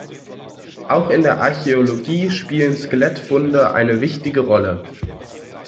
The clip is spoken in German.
Auch in der Archäologie spielen Skelettfunde eine wichtige Rolle.